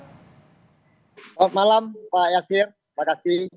selamat malam pak yasir terima kasih